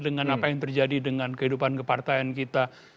dengan apa yang terjadi dengan kehidupan kepartaian kita